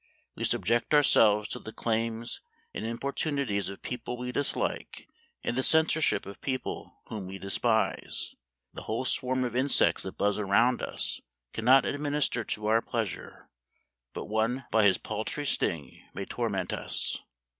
We subject ourselves to the claims and importunities of people we dislike, and the censorship of people whom we despise. The whole swarm of insects that buzz around us cannot administer to our pleasure ; but one by his paltry sting may torment us."